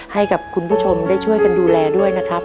ให้กับคุณผู้ชมได้ช่วยกันดูแลด้วยนะครับ